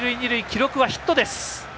記録はヒットです。